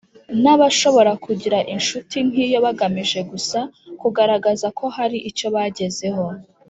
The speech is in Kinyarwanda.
N abashobora kugira incuti nk iyo bagamije gusa kugaragaza ko hari icyo bagezeho